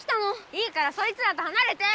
いいからそいつらとはなれて！